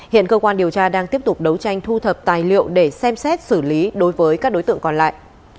hiện cơ quan điều tra đang tiếp tục đấu tranh thu thập tài liệu để xem xét xử lý đối với các đối tượng còn lại